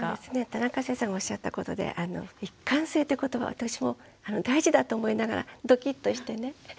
田中先生がおっしゃったことで一貫性って言葉は私も大事だと思いながらドキッとしてね。